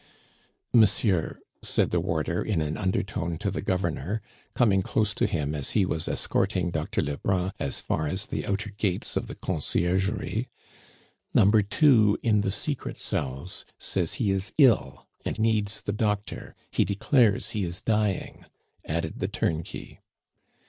"Monsieur," said the warder in an undertone to the Governor, coming close to him as he was escorting Doctor Lebrun as far as the outer gates of the Conciergerie, "Number 2 in the secret cells says he is ill, and needs the doctor; he declares he is dying," added the turnkey.